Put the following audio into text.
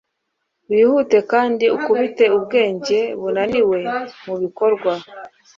Wihute kandi ukubite ubwenge bunaniwe mubikorwa